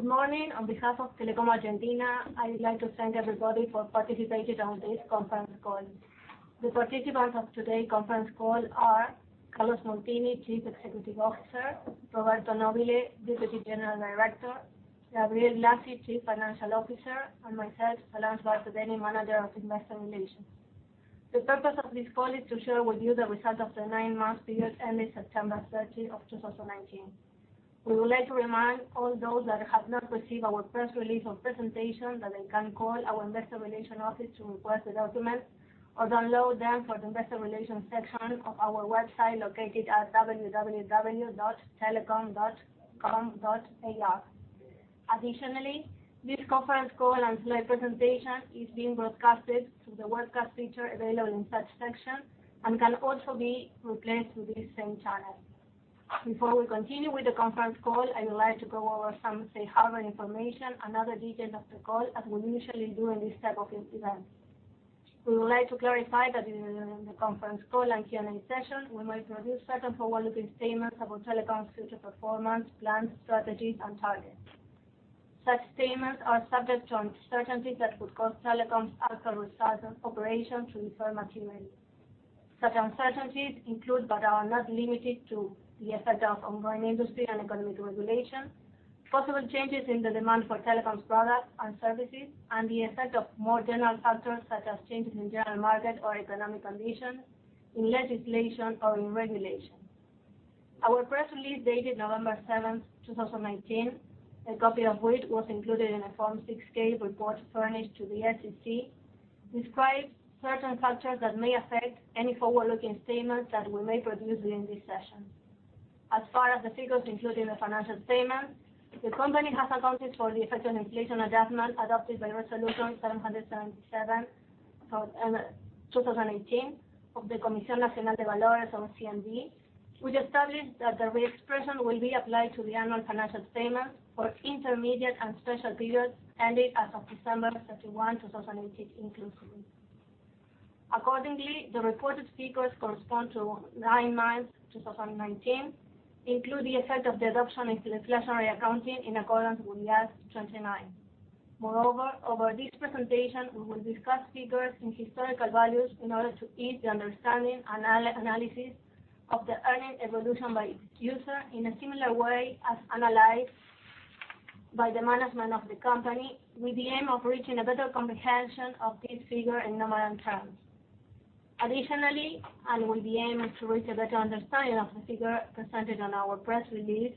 Good morning. On behalf of Telecom Argentina, I would like to thank everybody for participating on this conference call. The participants of today's conference call are Carlos Moltini, Chief Executive Officer, Roberto Nóbile, Deputy Director General, Gabriel Blasi, Chief Financial Officer, and myself, Solange Barthe Dennin, Manager of Investor Relations. The purpose of this call is to share with you the results of the nine months period ending September 30th, 2019. We would like to remind all those that have not received our press release or presentation that they can call our investor relation office to request the documents or download them from the investor relations section of our website located at www.telecom.com.ar. Additionally, this conference call and slide presentation is being broadcasted to the webcast feature available in such section and can also be replayed through this same channel. Before we continue with the conference call, I would like to go over some safe harbor information and other details of the call as we initially do in this type of event. We would like to clarify that during the conference call and Q&A session, we may produce certain forward-looking statements about Telecom's future performance, plans, strategies, and targets. Such statements are subject to uncertainties that would cause Telecom's actual results of operations to differ materially. Such uncertainties include, but are not limited to the effect of ongoing industry and economic regulations, possible changes in the demand for Telecom's products and services, and the effect of more general factors such as changes in general market or economic conditions, in legislation or in regulations. Our press release dated November 7th, 2019, a copy of which was included in a Form 6-K report furnished to the SEC, describes certain factors that may affect any forward-looking statements that we may produce during this session. As far as the figures, including the financial statements, the company has accounted for the effect of inflation adjustment adopted by Resolution 777 of 2018 of the Comisión Nacional de Valores, or CNV, which established that the reexpression will be applied to the annual financial statements for intermediate and special periods ending as of December 31, 2018 inclusively. Accordingly, the reported figures correspond to nine months 2019, include the effect of the adoption of inflationary accounting in accordance with IAS 29. Moreover, over this presentation, we will discuss figures in historical values in order to aid the understanding and analysis of the earning evolution by user, in a similar way as analyzed by the management of the company, with the aim of reaching a better comprehension of this figure in numerical terms. Additionally, and with the aim of to reach a better understanding of the figure presented on our press release,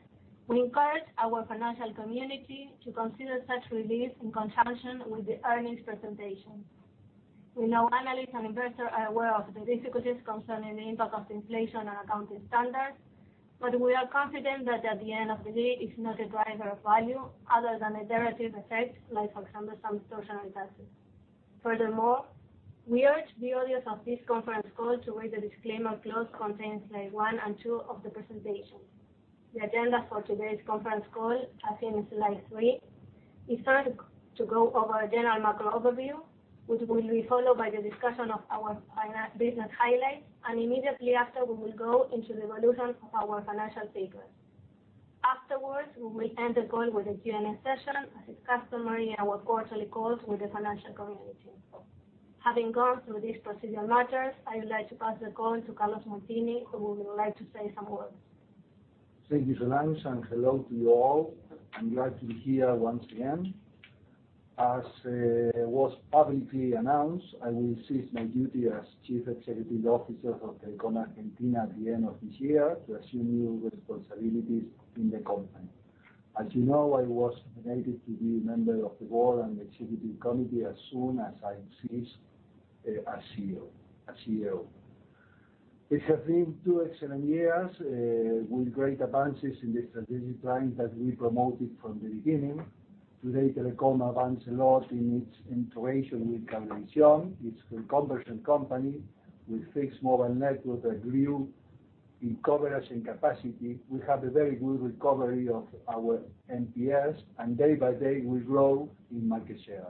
we encourage our financial community to consider such release in conjunction with the earnings presentation. We know analysts and investors are aware of the difficulties concerning the impact of inflation on accounting standards, but we are confident that at the end of the day, it's not a driver of value other than a derivative effect, like for example, some social taxes. Furthermore, we urge the audience of this conference call to read the disclaimer clause contained in slide one and two of the presentation. The agenda for today's conference call, as in slide three, is first to go over a general macro overview, which will be followed by the discussion of our business highlights, and immediately after, we will go into the evolution of our financial figures. Afterwards, we will end the call with a Q&A session, as is customary in our quarterly calls with the financial community. Having gone through these procedural matters, I would like to pass the call to Carlos Moltini, who would like to say some words. Thank you, Solange, and hello to you all. I'm glad to be here once again. As was publicly announced, I will cease my duty as Chief Executive Officer of Telecom Argentina at the end of this year to assume new responsibilities in the company. As you know, I was nominated to be a member of the board and executive committee as soon as I cease as CEO. It has been two excellent years with great advances in the strategic plan that we promoted from the beginning. Today, Telecom advanced a lot in its integration with Cablevisión, its conversion company with fixed mobile networks that grew in coverage and capacity. We have a very good recovery of our NPS, and day by day, we grow in market share.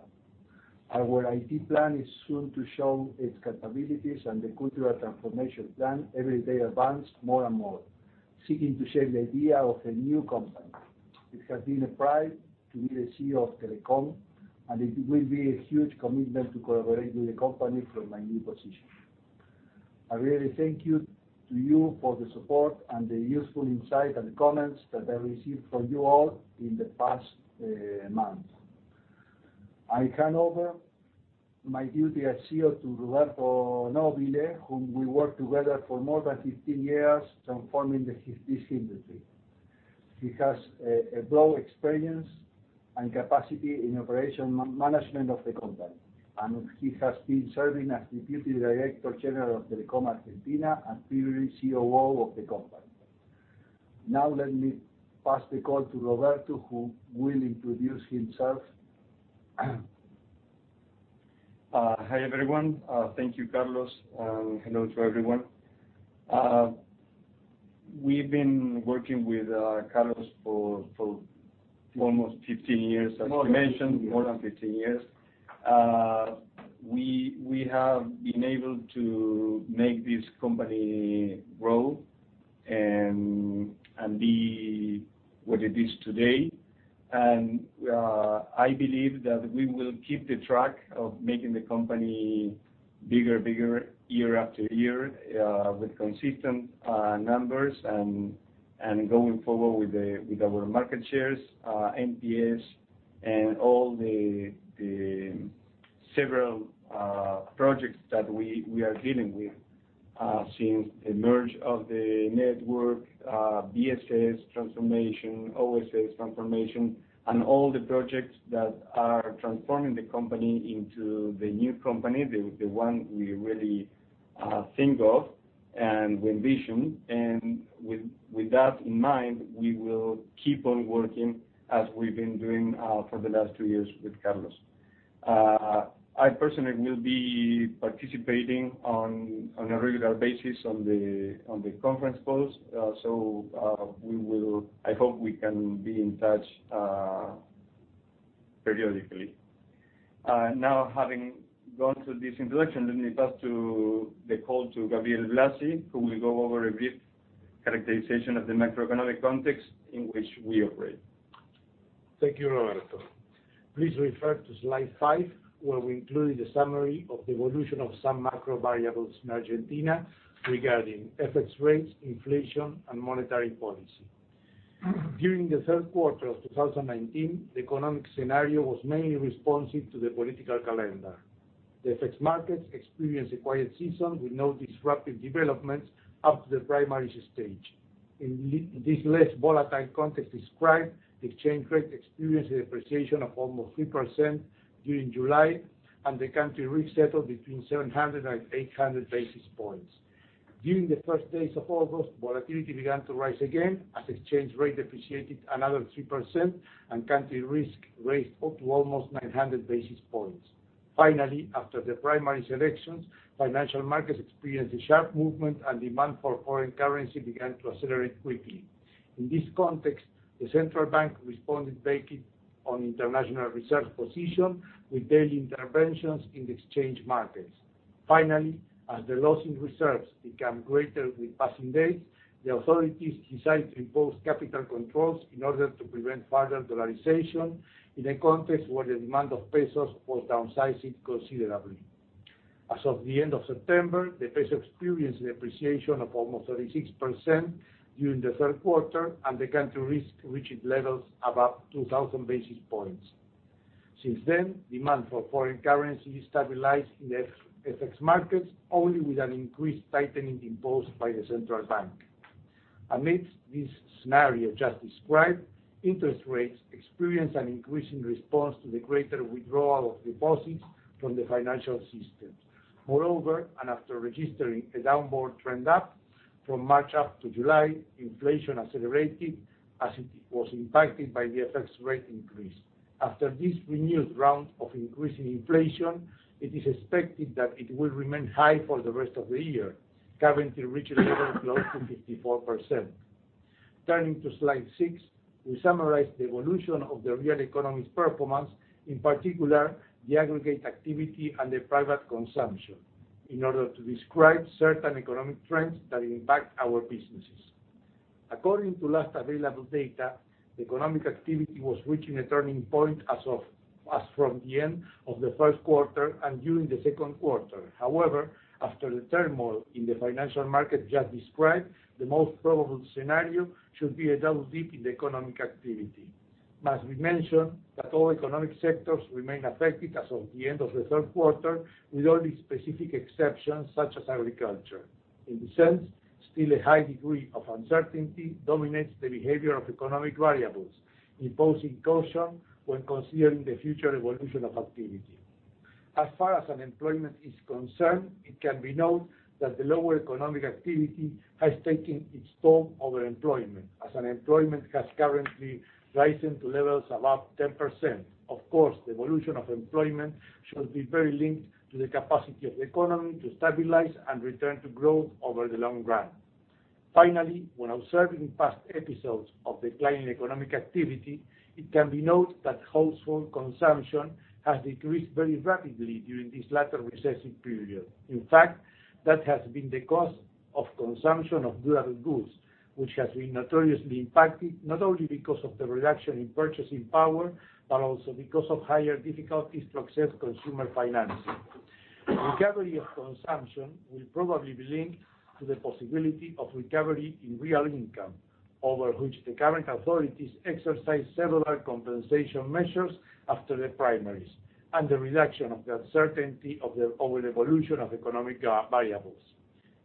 Our IT plan is soon to show its capabilities, the cultural transformation plan every day advance more and more, seeking to shape the idea of a new company. It has been a pride to be the CEO of Telecom, it will be a huge commitment to collaborate with the company from my new position. I really thank you to you for the support and the useful insight and comments that I received from you all in the past months. I hand over my duty as CEO to Roberto Nóbile, whom we worked together for more than 15 years transforming this industry. He has a broad experience and capacity in operation management of the company, he has been serving as Deputy Director General of Telecom Argentina and previously COO of the company. Now let me pass the call to Roberto, who will introduce himself. Hi, everyone. Thank you, Carlos, and hello to everyone. We've been working with Carlos for almost 15 years, as you mentioned. More than 15. More than 15 years. We have been able to make this company grow and be what it is today. I believe that we will keep the track of making the company bigger and bigger year after year with consistent numbers and going forward with our market shares, NPS, and all the several projects that we are dealing with since the merge of the network, BSS transformation, OSS transformation, and all the projects that are transforming the company into the new company, the one we really think of and we envision. With that in mind, we will keep on working as we've been doing for the last two years with Carlos. I personally will be participating on a regular basis on the conference calls. I hope we can be in touch periodically. Now having gone through this introduction, let me pass the call to Gabriel Blasi, who will go over a brief characterization of the macroeconomic context in which we operate. Thank you, Roberto Nóbile. Please refer to slide five, where we included a summary of the evolution of some macro variables in Argentina regarding FX rates, inflation, and monetary policy. During the third quarter of 2019, the economic scenario was mainly responsive to the political calendar. The FX markets experienced a quiet season with no disruptive developments up to the primaries stage. In this less volatile context described, the exchange rate experienced a depreciation of almost 3% during July, and the country risk settled between 700 and 800 basis points. During the first days of August, volatility began to rise again as exchange rate depreciated another 3%, and country risk raised up to almost 900 basis points. Finally, after the primary selections, financial markets experienced a sharp movement, and demand for foreign currency began to accelerate quickly. In this context, the central bank responded, banking on international reserve position with daily interventions in the exchange markets. As the loss in reserves became greater with passing days, the authorities decided to impose capital controls in order to prevent further dollarization in a context where the demand of pesos was downsizing considerably. As of the end of September, the peso experienced a depreciation of almost 36% during the third quarter, and the country risk reached levels above 2,000 basis points. Since then, demand for foreign currency stabilized in the FX markets only with an increased tightening imposed by the central bank. Amidst this scenario just described, interest rates experienced an increase in response to the greater withdrawal of deposits from the financial systems. After registering a downward trend up from March up to July, inflation accelerated as it was impacted by the FX rate increase. After this renewed round of increasing inflation, it is expected that it will remain high for the rest of the year, currently reaching levels close to 54%. Turning to slide six, we summarize the evolution of the real economy's performance, in particular, the aggregate activity and the private consumption in order to describe certain economic trends that impact our businesses. According to last available data, the economic activity was reaching a turning point as from the end of the first quarter and during the second quarter. After the turmoil in the financial market just described, the most probable scenario should be a double dip in the economic activity. Must be mentioned that all economic sectors remain affected as of the end of the third quarter, with only specific exceptions such as agriculture. In this sense, still a high degree of uncertainty dominates the behavior of economic variables, imposing caution when considering the future evolution of activity. As far as unemployment is concerned, it can be noted that the lower economic activity has taken its toll over employment, as unemployment has currently risen to levels above 10%. Of course, the evolution of employment should be very linked to the capacity of the economy to stabilize and return to growth over the long run. Finally, when observing past episodes of declining economic activity, it can be noted that household consumption has decreased very rapidly during this latter recessive period. In fact, that has been the cost of consumption of durable goods, which has been notoriously impacted, not only because of the reduction in purchasing power, but also because of higher difficulties to access consumer financing. Recovery of consumption will probably be linked to the possibility of recovery in real income, over which the current authorities exercised several compensation measures after the primaries, and the reduction of the uncertainty over the evolution of economic variables.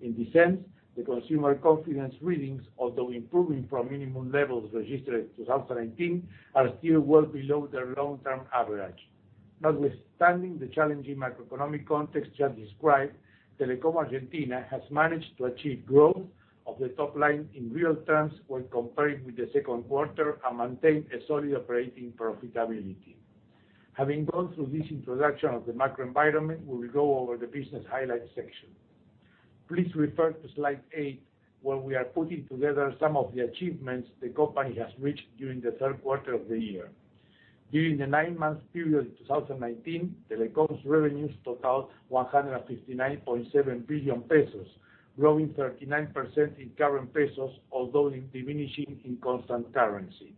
In this sense, the consumer confidence readings, although improving from minimum levels registered 2019, are still well below their long-term average. Notwithstanding the challenging macroeconomic context just described, Telecom Argentina has managed to achieve growth of the top line in real terms when comparing with the second quarter and maintain a solid operating profitability. Having gone through this introduction of the macro environment, we will go over the business highlights section. Please refer to slide eight, where we are putting together some of the achievements the company has reached during the third quarter of the year. During the 9-month period of 2019, Telecom's revenues totaled 159.7 billion pesos, growing 39% in current pesos, although diminishing in constant currency.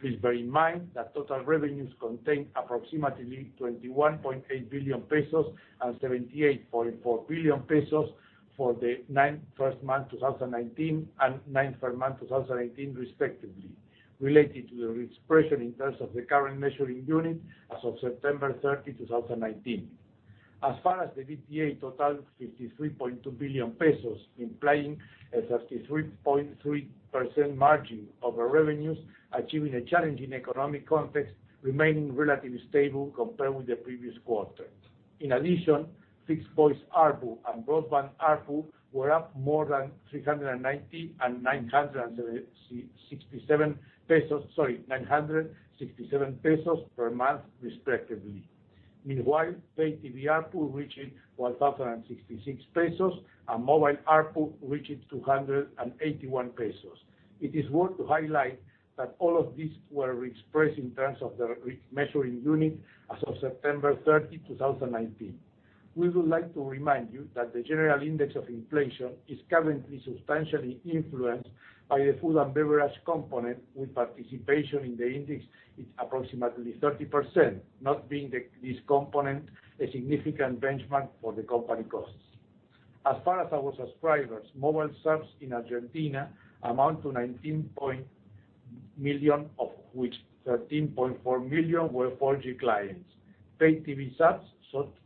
Please bear in mind that total revenues contain approximately 21.8 billion pesos and 78.4 billion pesos for the first 9 months 2019 and 9 months 2019 respectively, related to the reexpression in terms of the current measuring unit as of September 30, 2019. As far as the EBITDA, a total 53.2 billion pesos, implying a 33.3% margin over revenues, achieving a challenging economic context, remaining relatively stable compared with the previous quarter. In addition, fixed voice ARPU and broadband ARPU were up more than 390 and 967 pesos per month respectively. Meanwhile, Pay TV ARPU reached 1,066 pesos, and mobile ARPU reached 281 pesos. It is worth highlighting that all of these were expressed in terms of the measuring unit as of September 30, 2019. We would like to remind you that the general index of inflation is currently substantially influenced by the food and beverage component, with participation in the index at approximately 30%, not being this component a significant benchmark for the company costs. As far as our subscribers, mobile subs in Argentina amount to 19 million, of which 13.4 million were 4G clients. Pay TV subs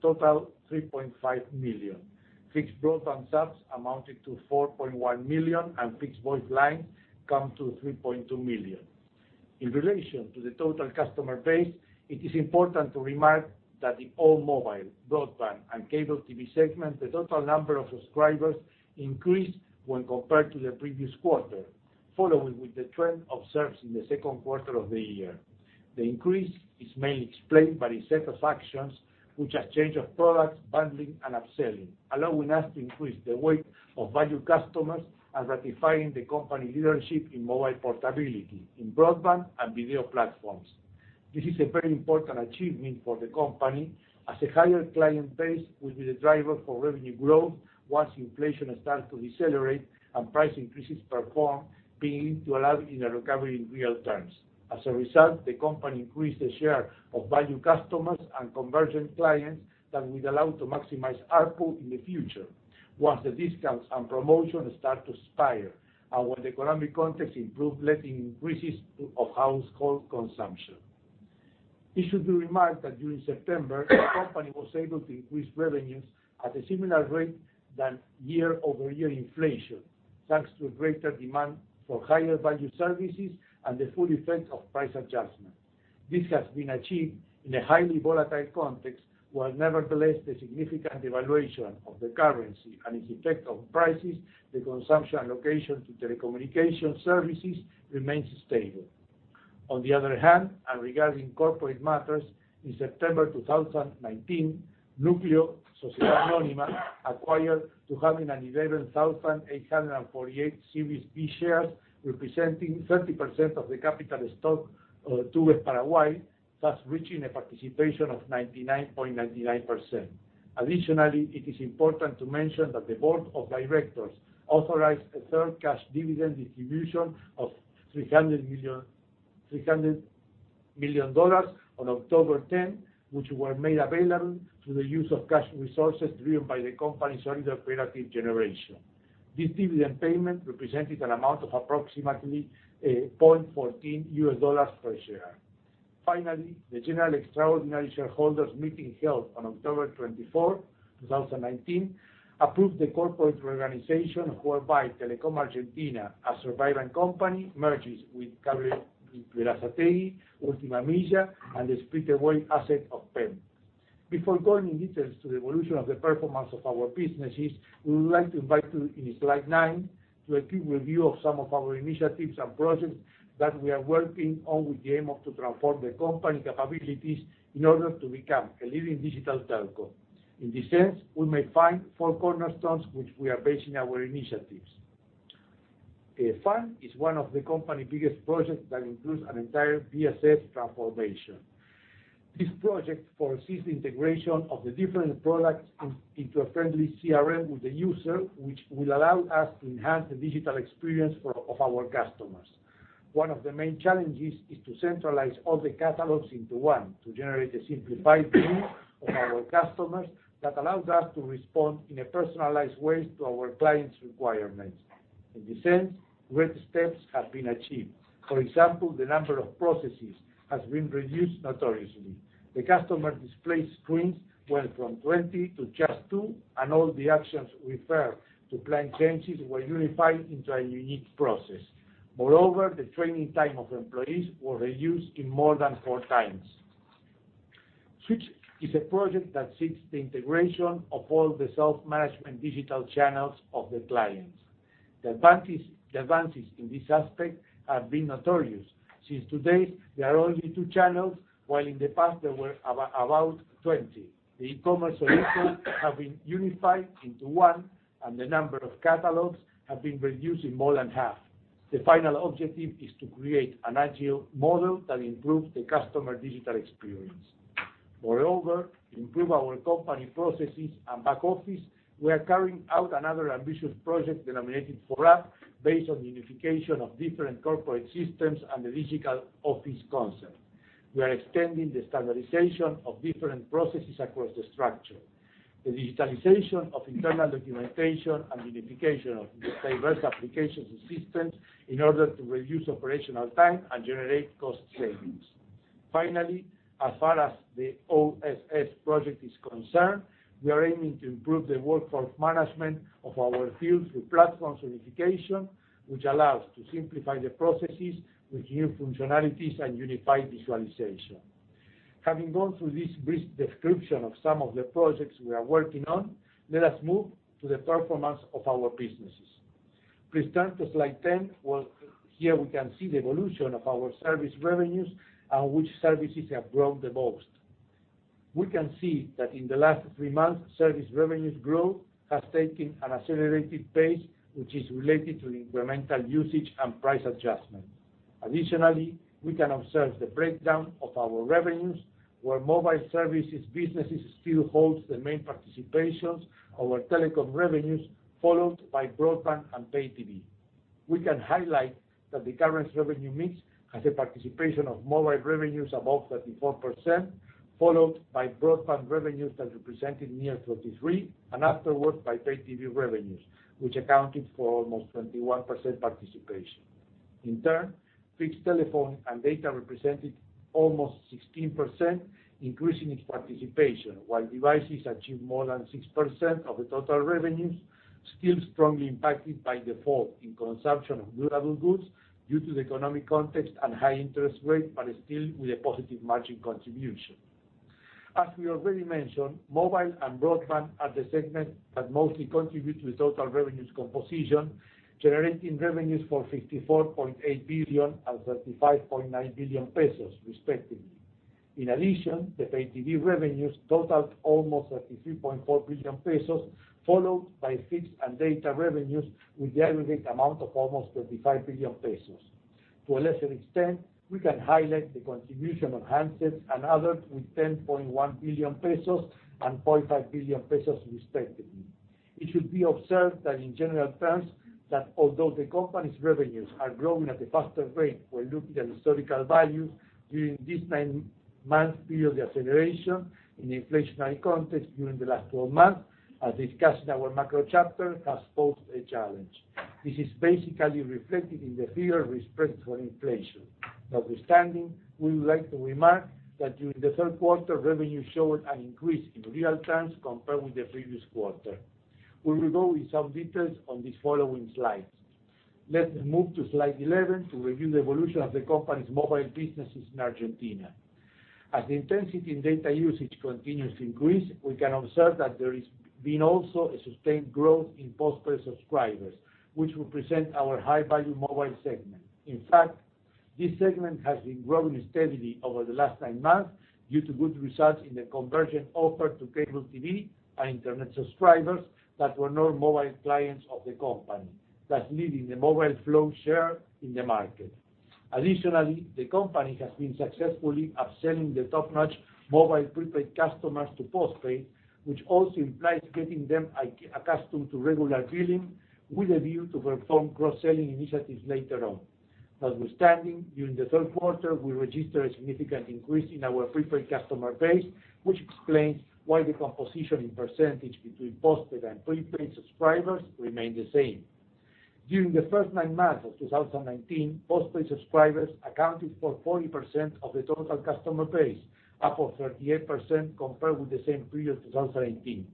total 3.5 million. Fixed broadband subs amounted to 4.1 million, and fixed voice lines came to 3.2 million. In relation to the total customer base, it is important to remark that in all mobile, broadband, and cable TV segments, the total number of subscribers increased when compared to the previous quarter, following with the trend observed in the second quarter of the year. The increase is mainly explained by a set of actions, such as change of products, bundling, and upselling, allowing us to increase the weight of value customers and ratifying the company leadership in mobile portability, in broadband, and video platforms. This is a very important achievement for the company, as a higher client base will be the driver for revenue growth once inflation starts to decelerate and price increases perform, beginning to allow a recovery in real terms. As a result, the company increased the share of value customers and conversion clients that will allow to maximize ARPU in the future once the discounts and promotions start to expire, and when the economic context improves, letting increases of household consumption. It should be remarked that during September, the company was able to increase revenues at a similar rate than year-over-year inflation, thanks to a greater demand for higher-value services and the full effect of price adjustments. This has been achieved in a highly volatile context, where nevertheless the significant devaluation of the currency and its effect on prices, the consumption allocation to telecommunication services remains stable. On the other hand, and regarding corporate matters, in September 2019, Núcleo Sociedad Anónima acquired 211,848 Series B shares, representing 30% of the capital stock of TuVes Paraguay, thus reaching a participation of 99.99%. Additionally, it is important to mention that the board of directors authorized a third cash dividend distribution of 300 million on October 10, which were made available through the use of cash resources driven by the company's solid operating generation. This dividend payment represented an amount of approximately $0.14 per share. The general extraordinary shareholders meeting held on October 24, 2019, approved the corporate reorganization, whereby Telecom Argentina, a surviving company, merges with Cablevisión Holding S.A., Última Milla S.A., and the split away asset of PEM. Before going in details to the evolution of the performance of our businesses, we would like to invite you in slide nine to a quick review of some of our initiatives and projects that we are working on with the aim of transforming the company capabilities in order to become a leading digital telco. In this sense, we may find four cornerstones, which we are basing our initiatives. FUN is one of the company's biggest projects that includes an entire BSS transformation. This project foresees the integration of the different products into a friendly CRM with the user, which will allow us to enhance the digital experience of our customers. One of the main challenges is to centralize all the catalogs into one to generate a simplified view of our customers that allows us to respond in a personalized way to our clients' requirements. In this sense, great steps have been achieved. For example, the number of processes has been reduced notoriously. The customer display screens went from 20 to just two, and all the actions referred to plan changes were unified into a unique process. Moreover, the training time of employees was reduced in more than four times. SWITCH is a project that seeks the integration of all the self-management digital channels of the clients. The advances in this aspect have been notorious, since today there are only two channels, while in the past there were about 20. The e-commerce solutions have been unified into one, and the number of catalogs has been reduced by more than half. The final objective is to create an agile model that improves the customer digital experience. Moreover, to improve our company processes and back office, we are carrying out another ambitious project denominated SAP, based on the unification of different corporate systems and the digital office concept. We are extending the standardization of different processes across the structure, the digitalization of internal documentation, and the unification of diverse applications and systems in order to reduce operational time and generate cost savings. Finally, as far as the OSS project is concerned, we are aiming to improve the workforce management of our fields through platform unification, which allows to simplify the processes with new functionalities and unified visualization. Having gone through this brief description of some of the projects we are working on, let us move to the performance of our businesses. Please turn to slide 10. Well, here we can see the evolution of our service revenues and which services have grown the most. We can see that in the last three months, service revenues growth has taken an accelerated pace, which is related to incremental usage and price adjustment. Additionally, we can observe the breakdown of our revenues, where mobile services businesses still holds the main participation over Telecom revenues, followed by broadband and pay TV. We can highlight that the current revenue mix has a participation of mobile revenues above 34%, followed by broadband revenues that represented near 23%, and afterwards by pay TV revenues, which accounted for almost 21% participation. In turn, fixed telephone and data represented almost 16%, increasing its participation, while devices achieved more than 6% of the total revenues, still strongly impacted by default in consumption of durable goods due to the economic context and high interest rate, but still with a positive margin contribution. As we already mentioned, mobile and broadband are the segment that mostly contribute to total revenues composition, generating revenues for 54.8 billion and 35.9 billion pesos respectively. In addition, the pay TV revenues totaled almost 33.4 billion pesos, followed by fixed and data revenues with the aggregate amount of almost 35 billion pesos. To a lesser extent, we can highlight the contribution of handsets and others with 10.1 billion pesos and 0.5 billion pesos respectively. It should be observed that in general terms, that although the company's revenues are growing at a faster rate when looking at historical values during this nine-month period of acceleration in the inflationary context during the last 12 months, as discussed in our macro chapter, has posed a challenge. This is basically reflected in the figure with respect to inflation. Notwithstanding, we would like to remark that during the third quarter, revenue showed an increase in real terms compared with the previous quarter. We will go in some details on this following slides. Let's move to slide 11 to review the evolution of the company's mobile businesses in Argentina. As the intensity in data usage continues to increase, we can observe that there has been also a sustained growth in postpaid subscribers, which represent our high-value mobile segment. In fact, this segment has been growing steadily over the last nine months due to good results in the conversion offered to cable TV and internet subscribers that were not mobile clients of the company, thus leading the mobile Flow share in the market. Additionally, the company has been successfully upselling the top-notch mobile prepaid customers to postpaid, which also implies getting them accustomed to regular billing with a view to perform cross-selling initiatives later on. Notwithstanding, during the third quarter, we registered a significant increase in our prepaid customer base, which explains why the composition in % between postpaid and prepaid subscribers remained the same. During the first nine months of 2019, postpaid subscribers accounted for 40% of the total customer base, up from 38% compared with the same period 2018.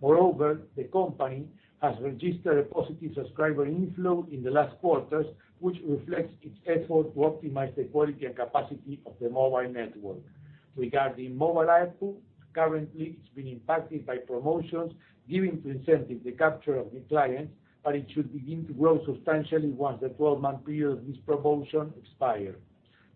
The company has registered a positive subscriber inflow in the last quarters, which reflects its effort to optimize the quality and capacity of the mobile network. Regarding mobile ARPU, currently, it's been impacted by promotions giving to incentive the capture of new clients, but it should begin to grow substantially once the 12-month period of this promotion expires.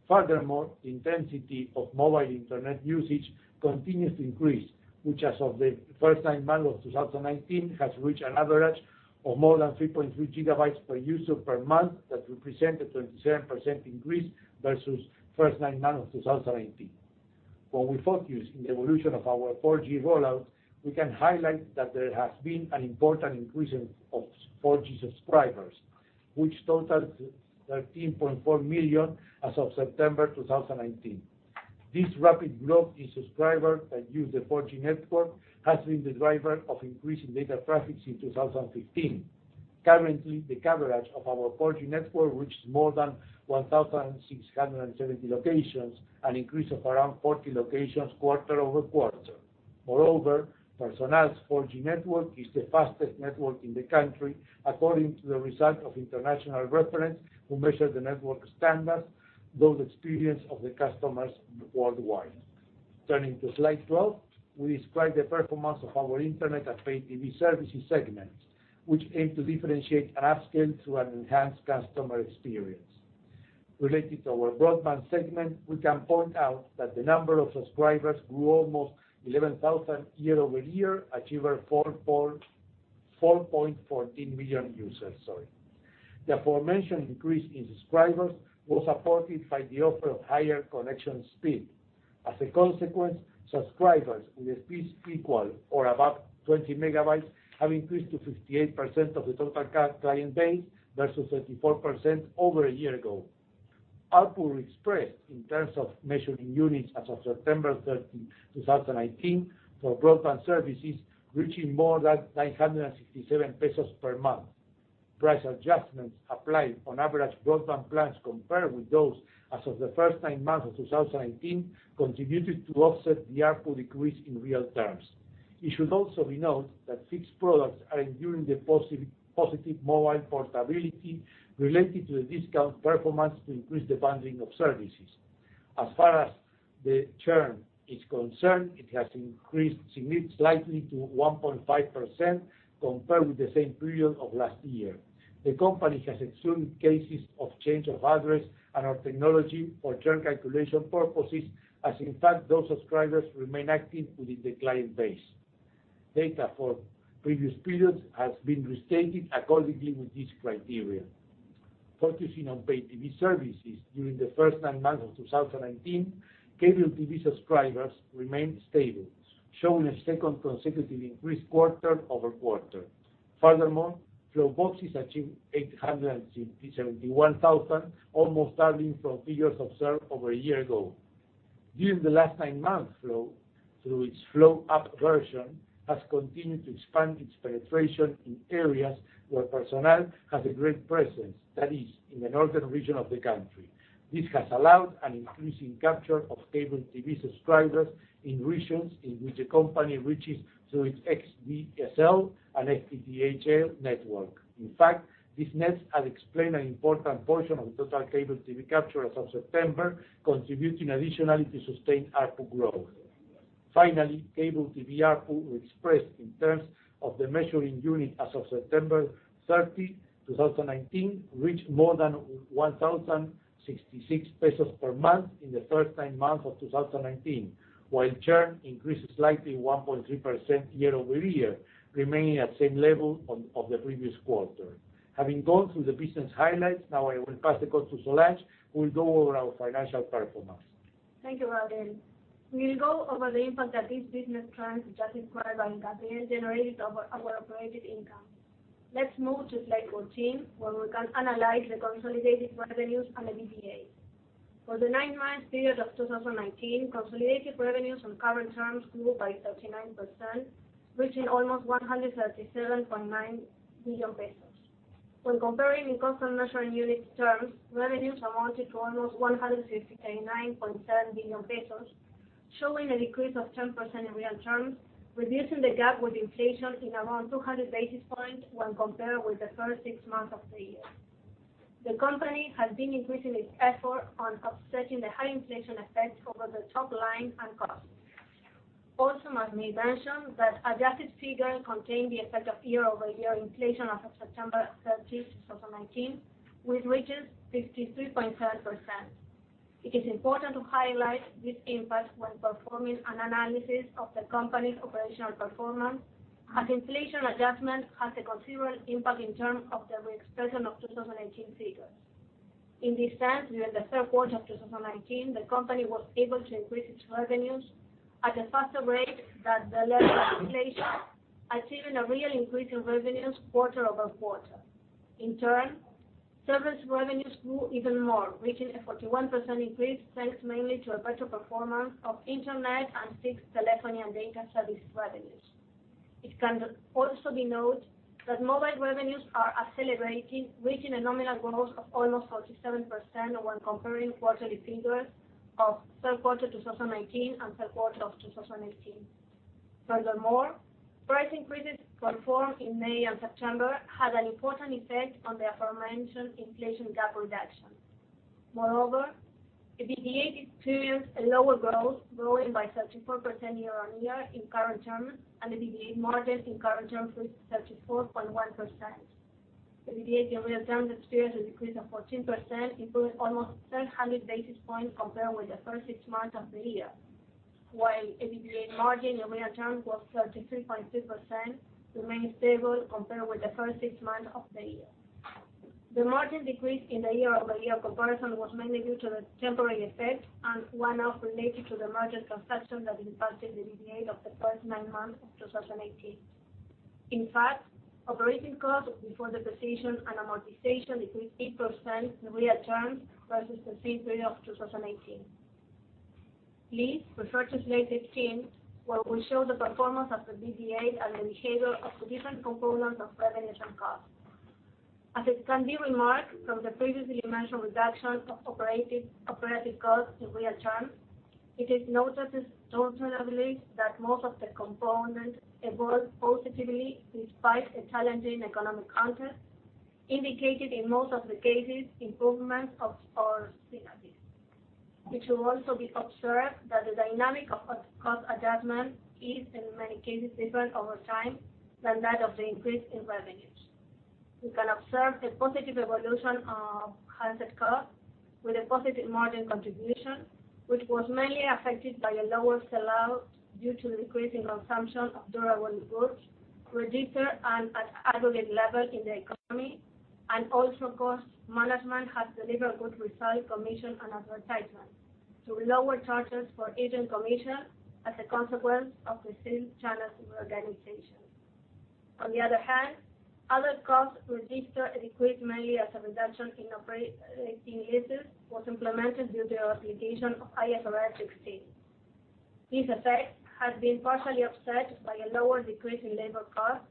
The intensity of mobile internet usage continues to increase, which as of the first nine months of 2019, has reached an average of more than 3.3 gigabytes per user per month. That represent a 27% increase versus first nine months of 2018. When we focus in the evolution of our 4G rollout, we can highlight that there has been an important increase of 4G subscribers, which totals 13.4 million as of September 2019. This rapid growth in subscribers that use the 4G network has been the driver of increasing data traffic since 2015. Currently, the coverage of our 4G network reaches more than 1,670 locations, an increase of around 40 locations quarter-over-quarter. Moreover, Personal's 4G network is the fastest network in the country, according to the result of international reference who measure the network standards, the experience of the customers worldwide. Turning to slide 12, we describe the performance of our internet and pay TV services segments, which aim to differentiate and upskill through an enhanced customer experience. Related to our broadband segment, we can point out that the number of subscribers grew almost 11,000 year-over-year, achieving 4.14 million users. Sorry. The aforementioned increase in subscribers was supported by the offer of higher connection speed. As a consequence, subscribers with a speed equal or above 20 MB have increased to 58% of the total client base, versus 34% over a year ago. ARPU expressed in terms of measuring units as of September 30, 2019, for broadband services reaching more than 967 pesos per month. Price adjustments applied on average broadband plans compared with those as of the first nine months of 2019 contributed to offset the ARPU decrease in real terms. It should also be noted that fixed products are enduring the positive mobile portability related to the discount performance to increase the bundling of services. As far as the churn is concerned, it has increased slightly to 1.5% compared with the same period of last year. The company has assumed cases of change of address and our technology for churn calculation purposes, as in fact, those subscribers remain active within the client base. Data for previous periods has been restated accordingly with this criteria. Focusing on paid TV services during the first nine months of 2019, cable TV subscribers remained stable, showing a second consecutive increased quarter-over-quarter. Furthermore, Flow boxes achieved 871,000, almost doubling from figures observed over a year ago. During the last nine months, Flow, through its Flow App version, has continued to expand its penetration in areas where Personal has a great presence, that is, in the northern region of the country. This has allowed an increasing capture of cable TV subscribers in regions in which the company reaches through its VDSL and FTTH network. In fact, this net has explained an important portion of the total cable TV capture as of September, contributing additionally to sustained ARPU growth. Finally, cable TV ARPU expressed in terms of the measuring unit as of September 30, 2019, reached more than 1,066 pesos per month in the first nine months of 2019, while churn increased slightly 1.3% year-over-year, remaining at same level of the previous quarter. Having gone through the business highlights, now I will pass the call to Solange, who will go over our financial performance. Thank you, Gabriel. We will go over the impact that these business trends just described by Gabriel generated over our operating income. Let's move to slide 14, where we can analyze the consolidated revenues and EBITDA. For the nine-month period of 2019, consolidated revenues on current terms grew by 39%, reaching almost 137.9 billion pesos. When comparing in constant measuring unit terms, revenues amounted to almost 159.7 billion pesos, showing a decrease of 10% in real terms, reducing the gap with inflation in around 200 basis points when compared with the first six months of the year. Also must be mentioned that adjusted figures contain the effect of year-over-year inflation as of September 30, 2019, which reaches 53.7%. It is important to highlight this impact when performing an analysis of the company's operational performance, as inflation adjustment has a considerable impact in terms of the reexpression of 2018 figures. In this sense, during the third quarter of 2019, the company was able to increase its revenues at a faster rate than the level of inflation, achieving a real increase in revenues quarter-over-quarter. In turn, service revenues grew even more, reaching a 41% increase, thanks mainly to a better performance of internet and fixed telephony and data services revenues. It can also be noted that mobile revenues are accelerating, reaching a nominal growth of almost 47% when comparing quarterly figures of third quarter 2019 and third quarter of 2018. Furthermore, price increases performed in May and September had an important effect on the aforementioned inflation gap reduction. Moreover, EBITDA experienced a lower growth, growing by 34% year-over-year in current terms, and the EBITDA margin in current terms reached 34.1%. The EBITDA in real terms experienced a decrease of 14%, improving almost 700 basis points compared with the first six months of the year, while EBITDA margin in real terms was 33.3%, remaining stable compared with the first six months of the year. The margin decrease in the year-over-year comparison was mainly due to the temporary effect and one-off related to the merger transaction that impacted the EBITDA of the first nine months of 2018. In fact, operating costs before depreciation and amortization decreased 8% in real terms versus the same period of 2018. Please refer to slide 15, where we show the performance of the EBITDA and the behavior of the different components of revenues and costs. As it can be remarked from the previously mentioned reduction of operating costs in real terms, it is noticed ultimately that most of the components evolved positively despite a challenging economic context, indicated in most of the cases improvements of our synergies. It should also be observed that the dynamic of cost adjustment is, in many cases, different over time than that of the increase in revenues. We can observe a positive evolution of handset cost with a positive margin contribution, which was mainly affected by a lower sell-out due to decreasing consumption of durable goods, registered at aggregate level in the economy, and also cost management has delivered good results, commission and advertisement, to lower charges for agent commission as a consequence of the sales channel reorganization. On the other hand, other costs registered a decrease mainly as a reduction in operating leases was implemented due to the application of IFRS 16. This effect has been partially offset by a lower decrease in labor cost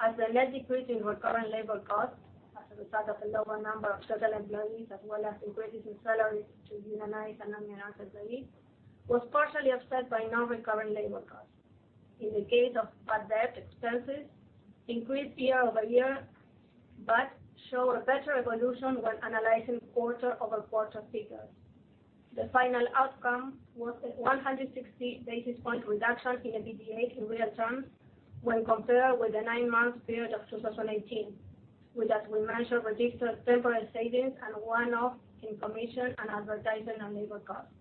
as the net decrease in recurrent labor cost as a result of a lower number of total employees, as well as increases in salaries to homogenize and harmonize salaries, was partially offset by non-recurrent labor costs. In the case of bad debt expenses increased year-over-year, but show a better evolution when analyzing quarter-over-quarter figures. The final outcome was a 160 basis point reduction in EBITDA in real terms when compared with the nine-month period of 2018, which as we mentioned, registered temporary savings and one-off in commission and advertising and labor costs.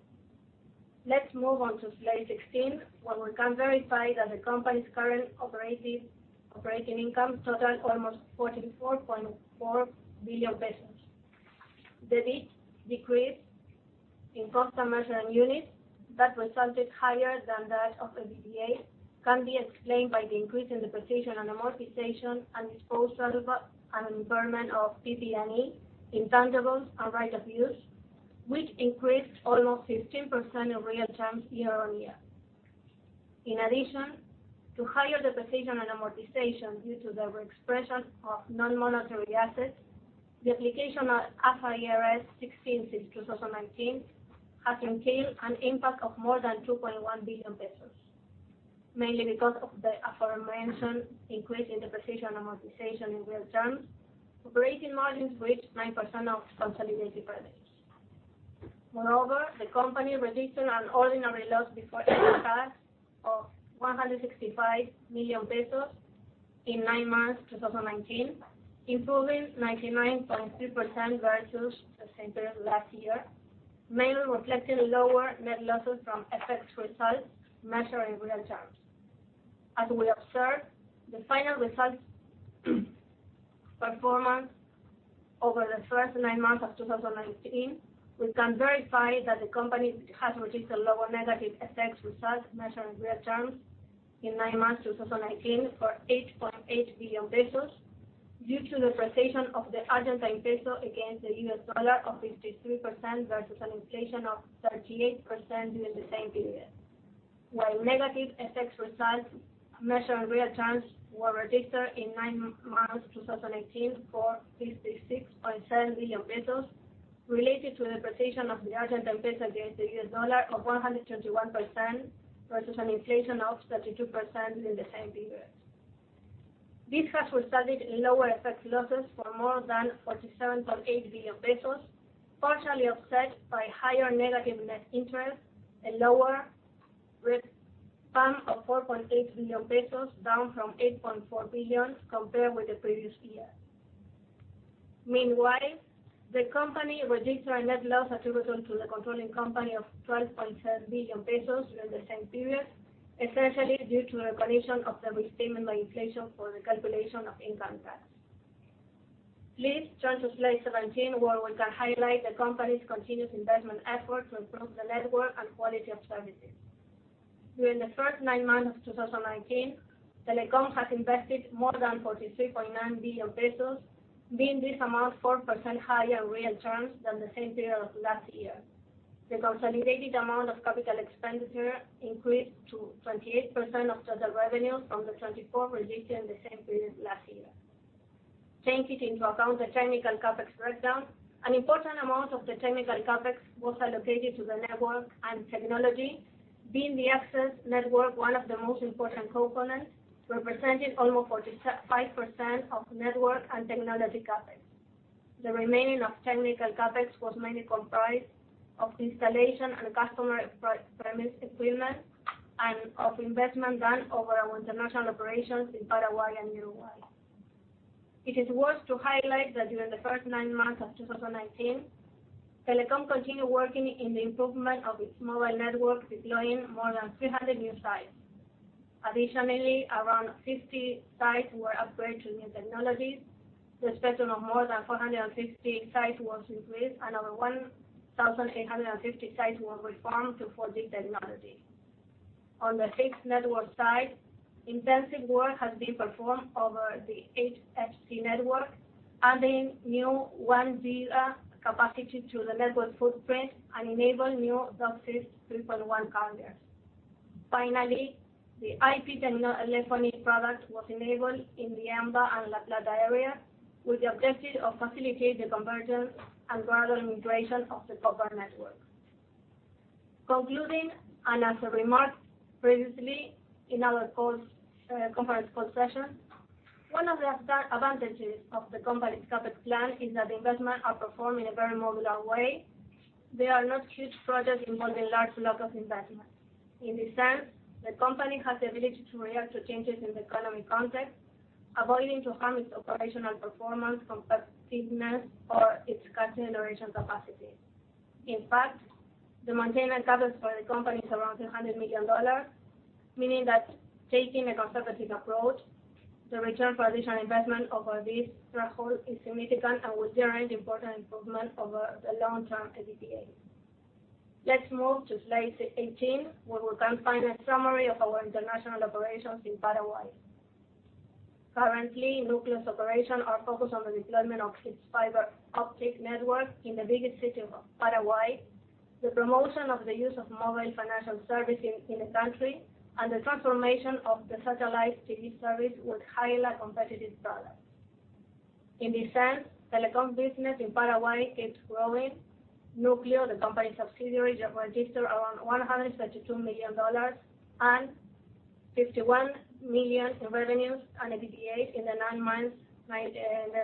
Let's move on to slide 16, where we can verify that the company's current operating income totaled almost 44.4 billion pesos. The bit decrease in customers and units that resulted higher than that of EBITDA can be explained by the increase in depreciation and amortization and disposal and impairment of PP&E, intangibles, and right of use, which increased almost 15% in real terms year-on-year. In addition to higher depreciation and amortization due to the reexpression of non-monetary assets, the application of IFRS 16 since 2019 has entailed an impact of more than 2.1 billion pesos, mainly because of the aforementioned increase in depreciation amortization in real terms. Operating margins reached 9% of consolidated revenues. Moreover, the company registered an ordinary loss before income tax of 165 million pesos in nine months 2019, improving 99.3% versus the same period last year, mainly reflecting lower net losses from FX results measured in real terms. As we observe the final results performance over the first nine months of 2019, we can verify that the company has registered lower negative FX results measured in real terms in nine months 2019 for 8.8 billion pesos due to depreciation of the Argentine peso against the US dollar of 53% versus an inflation of 38% during the same period. While negative FX results measured in real terms were registered in nine months 2018 for 56.7 billion pesos related to the depreciation of the Argentine peso against the US dollar of 121%, versus an inflation of 32% in the same period. This has resulted in lower FX losses for more than 47.8 billion pesos, partially offset by higher negative net interest and lower RECPAM of 4.8 billion pesos, down from 8.4 billion compared with the previous year. Meanwhile, the company registered a net loss attributable to the controlling company of 12.7 billion pesos during the same period, essentially due to recognition of the restatement by inflation for the calculation of income tax. Please turn to slide 17, where we can highlight the company's continuous investment effort to improve the network and quality of services. During the first nine months of 2019, Telecom has invested more than 43.9 billion pesos, being this amount 4% higher in real terms than the same period of last year. The consolidated amount of capital expenditure increased to 28% of total revenues from the 24% registered in the same period last year. Taking into account the technical CapEx breakdown, an important amount of the technical CapEx was allocated to the network and technology, being the access network one of the most important components, representing almost 45% of network and technology CapEx. The remaining of technical CapEx was mainly comprised of installation and customer premise equipment and of investment done over our international operations in Paraguay and Uruguay. It is worth to highlight that during the first nine months of 2019, Telecom continued working in the improvement of its mobile network, deploying more than 300 new sites. Additionally, around 50 sites were upgraded to new technologies. The spectrum of more than 450 sites was increased, and over 1,850 sites were reformed to 4G technology. On the fixed network side, intensive work has been performed over the HFC network, adding new 1 Giga capacity to the network footprint and enable new DOCSIS 3.1 counters. Finally, the IP telephony product was enabled in the AMBA and La Plata area with the objective of facilitate the conversion and gradual immigration of the copper network. Concluding, as remarked previously in our conference call session, one of the advantages of the company's CapEx plan is that investments are performed in a very modular way. They are not huge projects involving large blocks of investments. In this sense, the company has the ability to react to changes in the economic context, avoiding to harm its operational performance, competitiveness, or its generation capacity. In fact, the maintenance capital for the company is around $300 million, meaning that taking a conservative approach, the return for additional investment over this threshold is significant and will guarantee important improvement over the long-term EBITDA. Let's move to slide 18, where we can find a summary of our international operations in Paraguay. Currently, Núcleo's operations are focused on the deployment of its fiber optic network in the biggest city of Paraguay, the promotion of the use of mobile financial services in the country, and the transformation of the satellite TV service with highly competitive products. In this sense, Telecom business in Paraguay is growing. Núcleo, the company subsidiary, registered around ARS 132 million and 51 million in revenues and EBITDA in the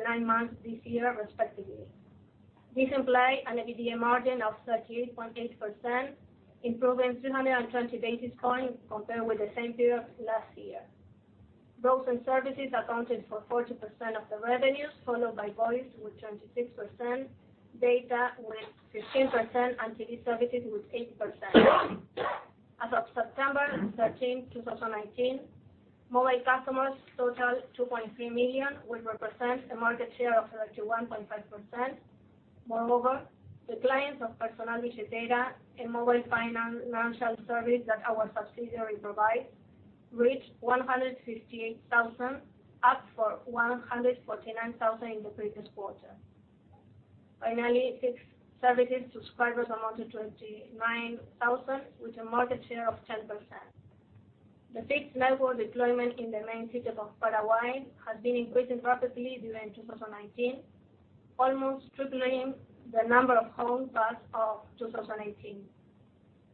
nine months this year, respectively. This implies an EBITDA margin of 38.8%, improving 320 basis points compared with the same period last year. Growth in services accounted for 40% of the revenues, followed by voice with 26%, data with 15%, and TV services with 8%. As of September 13, 2019, mobile customers totaled 2.3 million, which represents a market share of 31.5%. Moreover, the clients of Personal Pay, a mobile financial service that our subsidiary provides, reached 158,000, up from 149,000 in the previous quarter. Finally, fixed services subscribers amounted to 29,000, with a market share of 10%. The fixed network deployment in the main cities of Paraguay has been increasing rapidly during 2019, almost tripling the number of home passed of 2018.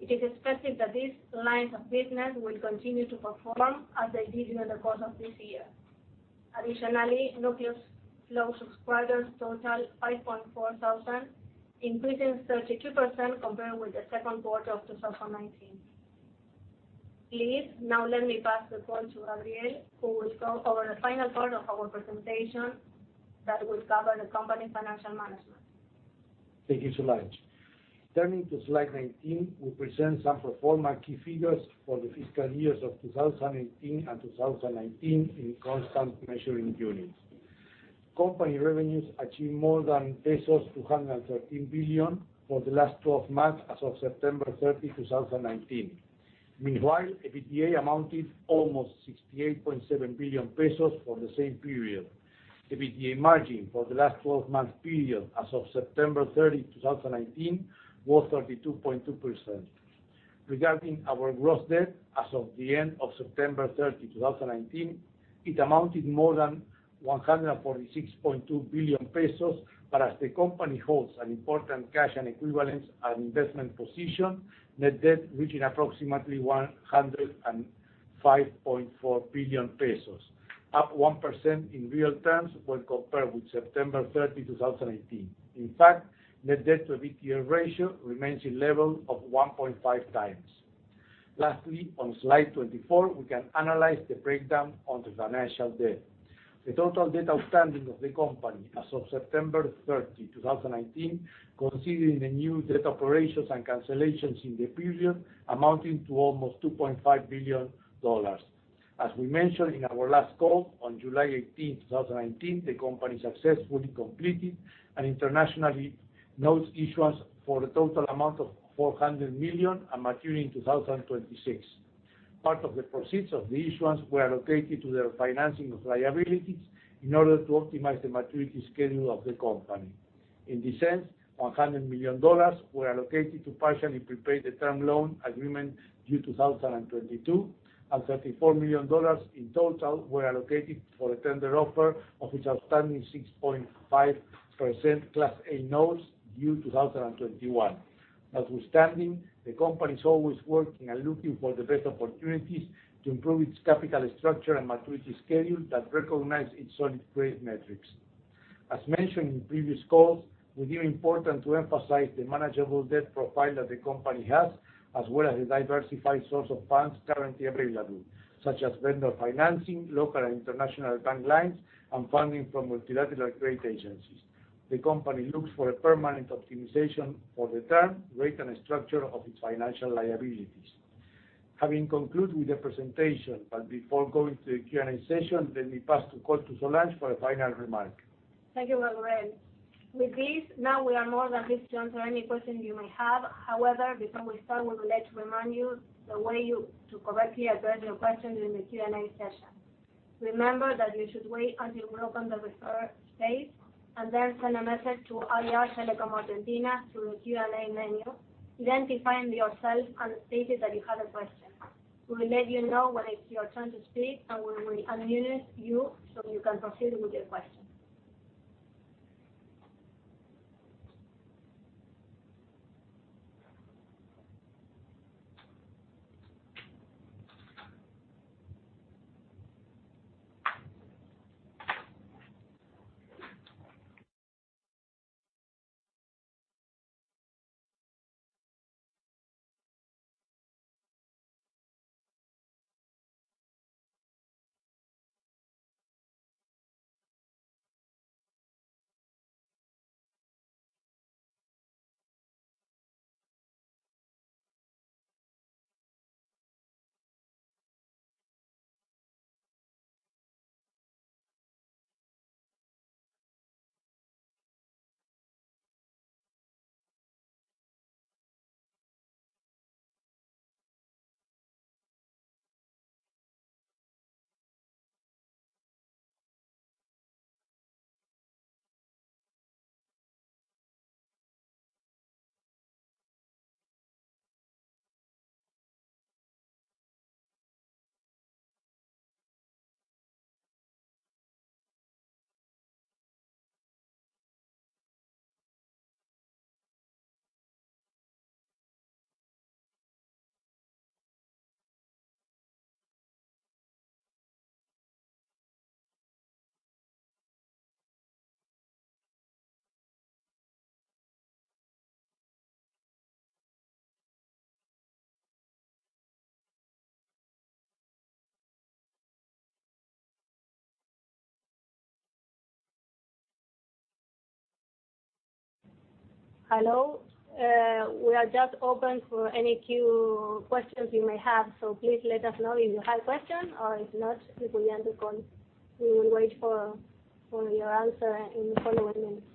It is expected that these lines of business will continue to perform as they did during the course of this year. Additionally, Núcleo's Flow subscribers totaled 5.4 thousand, increasing 32% compared with the second quarter of 2019. Please, now let me pass the call to Gabriel, who will go over the final part of our presentation that will cover the company's financial management. Thank you, Solange. Turning to slide 19, we present some pro forma key figures for the fiscal years of 2018 and 2019 in constant measuring units. Company revenues achieved more than pesos 213 billion for the last 12 months as of September 30, 2019. Meanwhile, EBITDA amounted almost 68.7 billion pesos for the same period. EBITDA margin for the last 12-month period as of September 30, 2019, was 32.2%. Regarding our gross debt as of the end of September 30, 2019, it amounted more than 146.2 billion pesos. As the company holds an important cash and equivalence and investment position, net debt reaching approximately 105.4 billion pesos, up 1% in real terms when compared with September 30, 2018. In fact, net debt to EBITDA ratio remains in level of 1.5 times. Lastly, on slide 24, we can analyze the breakdown on the financial debt. The total debt outstanding of the company as of September 30, 2019, considering the new debt operations and cancellations in the period amounting to almost $2.5 billion. As we mentioned in our last call on July 18, 2019, the company successfully completed an international notes issuance for a total amount of $400 million and maturing in 2026. Part of the proceeds of the issuance were allocated to the refinancing of liabilities in order to optimize the maturity schedule of the company. In this sense, $100 million were allocated to partially prepay the term loan agreement due 2022, and $34 million in total were allocated for a tender offer of its outstanding 6.5% Class A Notes due 2021. Notwithstanding, the company is always working and looking for the best opportunities to improve its capital structure and maturity schedule that recognize its solid credit metrics. As mentioned in previous calls, we deem important to emphasize the manageable debt profile that the company has, as well as the diversified source of funds currently available, such as vendor financing, local and international bank lines, and funding from multilateral credit agencies. The company looks for a permanent optimization for the term, rate, and structure of its financial liabilities. Having concluded with the presentation, but before going to the Q&A session, let me pass the call to Solange for a final remark. Thank you, Gabriel. With this, now we are more than pleased to answer any question you may have. However, before we start, we would like to remind you the way to correctly address your question during the Q&A session. Remember that you should wait until you open the preferred space, and then send a message to AR Telecom Argentina through the Q&A menu, identifying yourself and stating that you have a question. We will let you know when it's your turn to speak, and we will unmute you so you can proceed with your question. Hello. We are just open for any questions you may have, so please let us know if you have questions, or if not, we will end the call. We will wait for your answer in the following minutes.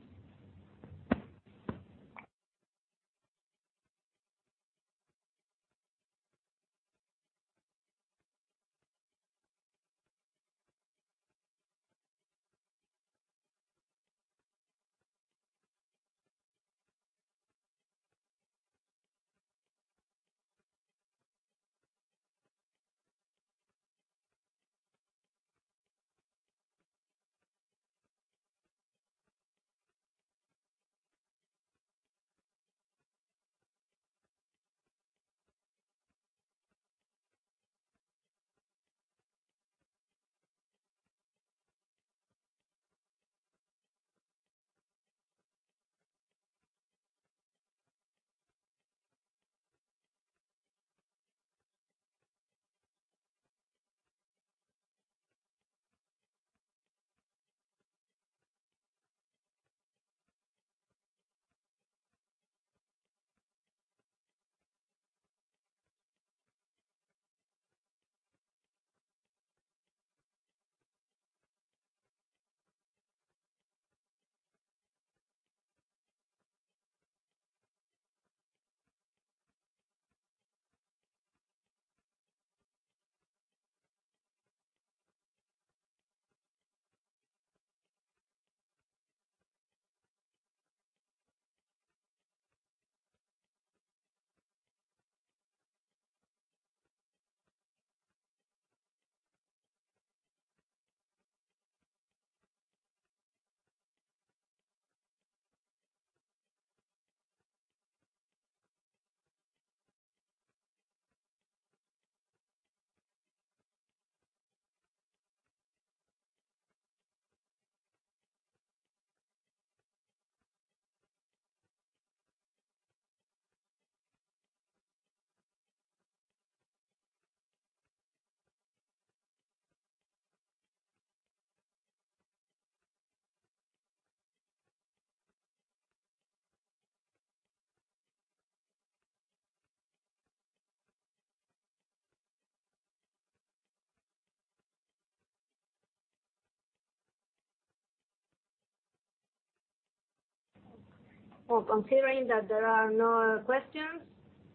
Considering that there are no questions,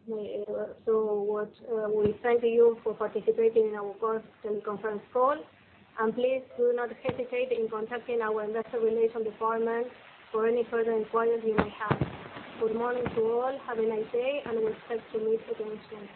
we thank you for participating in our first teleconference call. Please do not hesitate in contacting our investor relations department for any further inquiries you may have. Good morning to all. Have a nice day, and we expect to meet again soon.